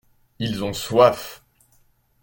Ils ont soif.